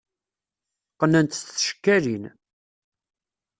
Qqnen-t s tcekkalin.